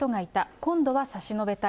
今度は差し伸べたい。